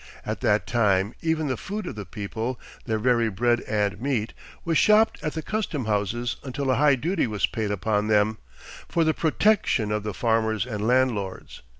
At that time even the food of the people, their very bread and meat, was shopped at the custom houses until a high duty was paid upon them, for the "protection" of the farmers and landlords.